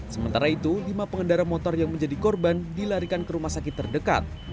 sementara itu lima pengendara motor yang menjadi korban dilarikan ke rumah sakit terdekat